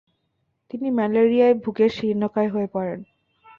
তিনি ম্যালেরিয়ায় ভুগে শীর্ণকায় হয়ে পড়েন।